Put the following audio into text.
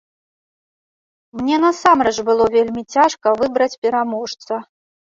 Мне насамрэч было вельмі цяжка выбраць пераможца.